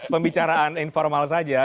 pembicaraan informal saja